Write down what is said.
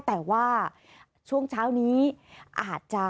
แต่ว่าช่วงเช้านี้อาจจะ